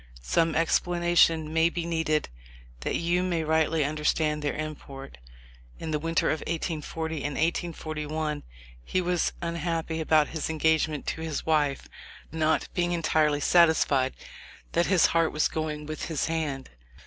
Some explanation may be needed that you may rightly understand their import. In the winter of 1840 and 1841, he was unhappy about his engagement to his wife — not being entirely satisfied that his heart was going with his hand.